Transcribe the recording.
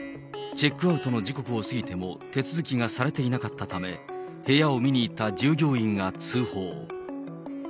チェックアウトの時刻を過ぎても手続きがされていなかったため、部屋を見に行った従業員が通報。